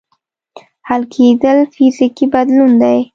حل کېدل فزیکي بدلون دی.